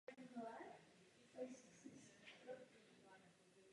Užívá se v mediálních studiích.